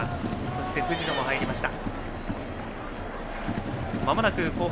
そして、藤野も入りました。